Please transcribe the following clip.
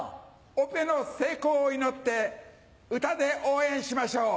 オペの成功を祈って歌で応援しましょう。